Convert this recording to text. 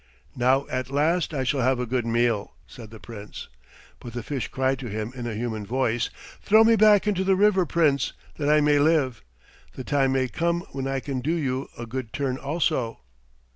"Now at last I shall have a good meal," said the Prince. But the fish cried to him in a human voice, "Throw me back into the river, Prince, that I may live. The time may come when I can do you a good turn also."